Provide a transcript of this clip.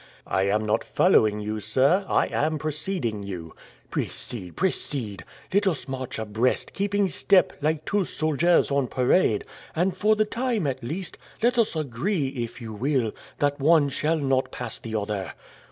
"I am not following you sir; I am preceding you." "Precede! precede! Let us march abreast, keeping step, like two soldiers on parade, and for the time, at least, let us agree, if you will, that one shall not pass the other."